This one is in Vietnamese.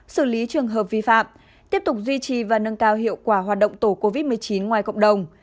xử lý trường hợp vi phạm tiếp tục duy trì và nâng cao hiệu quả hoạt động tổ covid một mươi chín ngoài cộng đồng